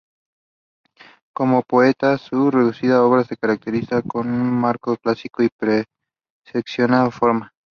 Como poeta, su reducida obra se caracteriza por un marcado clasicismo y perfeccionismo formal.